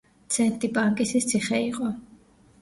ცენტი პანკისის ციხე იყო.